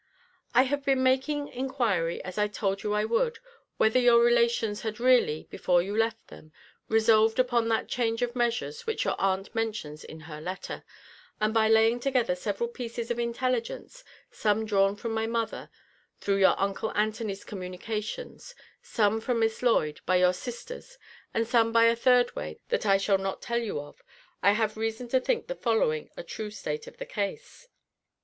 I have been making inquiry, as I told you I would, whether your relations had really (before you left them) resolved upon that change of measures which your aunt mentions in her letter; and by laying together several pieces of intelligence, some drawn from my mother, through your uncle Antony's communications; some from Miss Lloyd, by your sister's; and some by a third way that I shall not tell you of; I have reason to think the following a true state of the case.